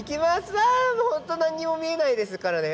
わもう本当何にも見えないですからね。